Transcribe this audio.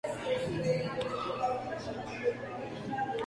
Fue expulsado del colegio durante la primaria por sus malos comportamientos.